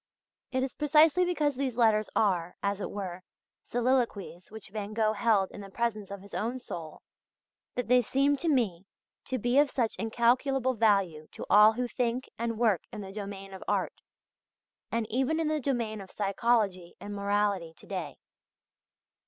It is precisely because these letters are, as it were, soliloquies which Van Gogh held in the presence of his own soul, that they seem to me to be of such incalculable value to all who think and work in the domain of art, and even in the domain of psychology and morality to day.